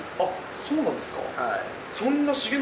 そうなんですか。